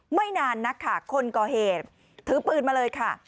ไม่นานนักค่ะคนก่อเหตุถือปืนมาเลยค่ะ